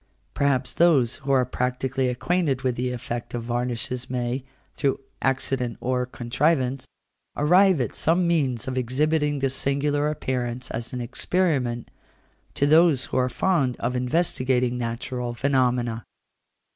Perhaps those who are practically acquainted with the effect of varnishes may, through accident or contrivance, arrive at some means of exhibiting this singular appearance, as an experiment, to those who are fond of investigating natural phenomena.